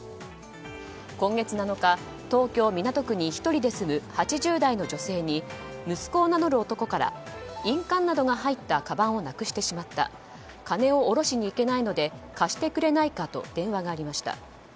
今月７日、東京・港区に１人で住む８０代の女性に息子を名乗る男から印鑑などが入ったかばんをなくしてしまった金を下ろしにいけないので貸してくれないかと電話がありました。